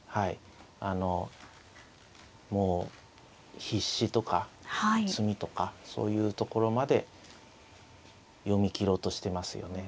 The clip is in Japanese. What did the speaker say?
あのもう必至とか詰みとかそういうところまで読み切ろうとしてますよね。